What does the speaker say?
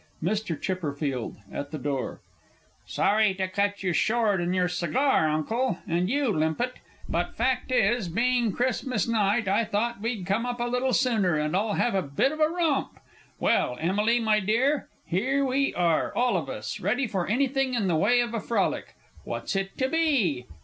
MR. CHIPPERFIELD (at the door). Sorry to cut you short in your cigar, Uncle, and you, Limpett; but fact is, being Christmas night, I thought we'd come up a little sooner and all have a bit of a romp.... Well, Emily, my dear, here we are, all of us ready for anything in the way of a frolic what's it to be?